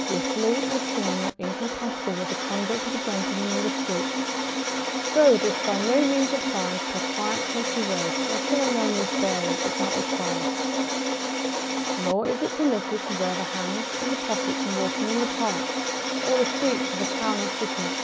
] Whistling and singing are incompatible with the conduct of a gentleman in the street, though this by no means applies to a quiet country road, where ceremonious bearing is not required. [Sidenote: Carriage of the hands.] Nor is it permitted to wear the hands in the pockets when walking in the Park, or the streets of a town or city.